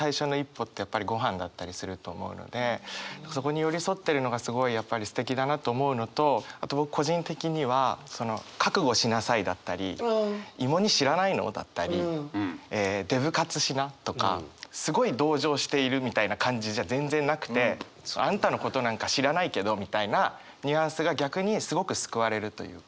そこに寄り添ってるのがすごいすてきだなと思うのとあと僕個人的には「覚悟しなさい」だったり「芋煮知らないの？」だったり「デブ活しな」とかすごい同情しているみたいな感じじゃ全然なくて。あんたのことなんか知らないけどみたいなニュアンスが逆にすごく救われるというか。